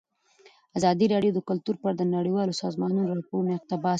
ازادي راډیو د کلتور په اړه د نړیوالو سازمانونو راپورونه اقتباس کړي.